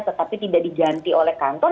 tetapi tidak diganti oleh kantor